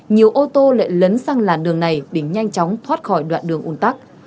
nhiều ô tô lại lấn sang làn đường này để nhanh chóng thoát khỏi đoạn đường ủn tắc